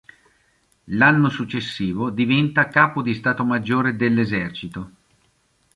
L'anno successivo diventa Capo di Stato Maggiore dell'Esercito.